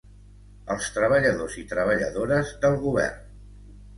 Als treballadors i treballadores del govern.